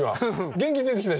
元気出てきた。